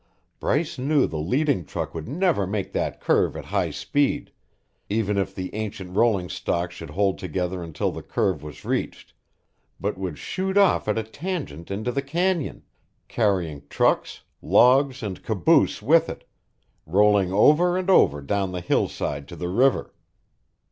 Bryce knew the leading truck would never take that curve at high speed, even if the ancient rolling stock should hold together until the curve was reached, but would shoot off at a tangent into the canyon, carrying trucks, logs, and caboose with it, rolling over and over down the hillside to the river.